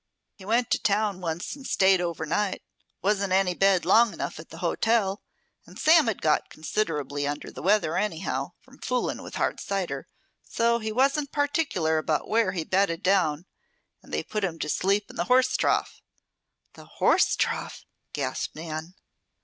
"He went to town once and stayed over night. Wasn't any bed long enough at the hotel, and Sam had got considerably under the weather, anyhow, from fooling with hard cider. So he wasn't particular about where he bedded down, and they put him to sleep in the horse trough." "The horse trough!" gasped Nan.